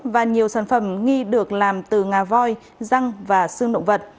và nhiều sản phẩm nghi được làm từ ngà voi răng và xương động vật